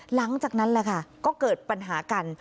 หลังจากนั้นก็เกิดปัญหากัน